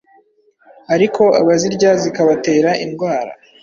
ariko abazirya zikabatera indwara,